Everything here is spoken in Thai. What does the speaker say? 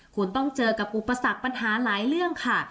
คุณต้องเจอกับอุปสรรคปัญหาหลายเรื่องค่ะ